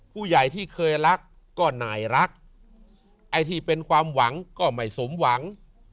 ผู้ใหญ่ที่เคยรักก็หน่ายรักไอ้ที่เป็นความหวังก็ไม่สมหวัง